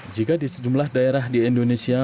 jika di sejumlah daerah di indonesia